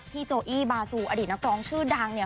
โจอี้บาซูอดีตนักร้องชื่อดังเนี่ย